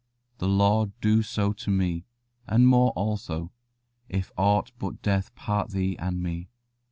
The Lord do so to me, and more also, if aught but death part thee and me."